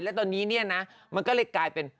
แล้วตอนนี้เนี่ยนะมันก็เลยกลายเป็น